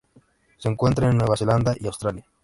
Se encuentran en Nueva Zelanda y Australia.